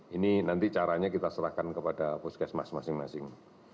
ini nanti caranya kita serahkan kepada puskesmas masing masing